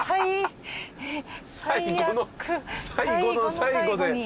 最後の最後で。